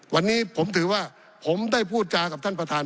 วันนี้ผมถือว่าผมได้พูดจากับท่านประธาน